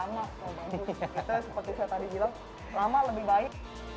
kita seperti saya tadi bilang lama lebih baik